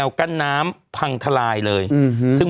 โทษทีน้องโทษทีน้อง